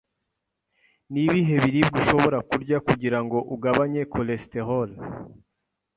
Nibihe biribwa ushobora kurya kugirango ugabanye cholesterol?